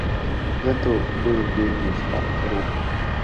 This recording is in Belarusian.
Гэта быў вельмі шпаркі рух.